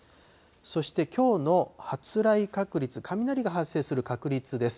そしてきょうの発雷確率、雷が発生する確率です。